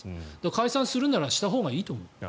解散するならしたほうがいいと思う。